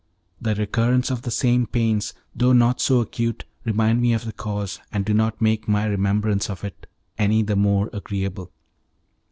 The recurrence of the same pains, though not so acute, remind me of the cause, and do not make my remembrance of it any the more agreeable.